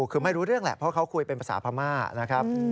คือไม่รู้เรื่องแหละเพราะเค้าคุยเป็นภามาก